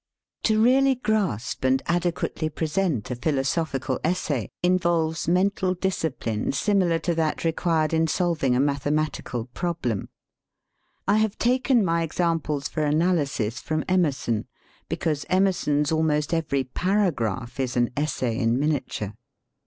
To really grasp and adequately present a philosophical essay involves mental discipline similar to that re quired in solving a mathematical problem. I have taken my examples for analysis from Emerson, because Emerson's almost every paragraph is an essay in miniature.